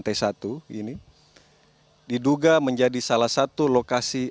pembunuhan korban ms terjadi